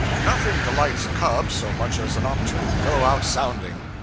Nothing delights a cub so much as an opportunity to go out sounding.